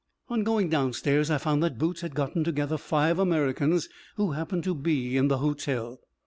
On going downstairs I found that Boots had gotten together five Americans who happened to be in the hotel.